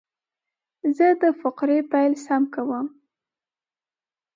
زه د فقرې پیل سم کوم.